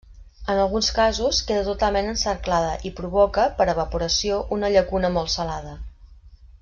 En alguns casos, queda totalment encerclada i provoca, per evaporació, una llacuna molt salada.